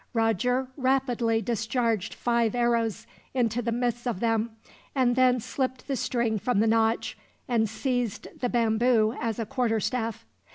Roger rapidly discharged five arrows into the midst of them, and then slipped the string from the notch, and seized the bamboo as a quarterstaff.